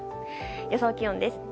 予想気温です。